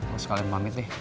gue sekalian pamit deh